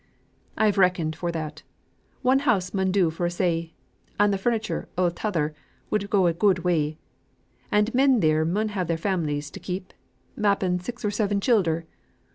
"I've reckoned for that. One house mun do for us a', and the furniture o' t'other would go a good way. And men theer mun have their families to keep mappen six or seven childer.